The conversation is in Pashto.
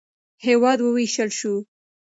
هېواد ووېشل شو.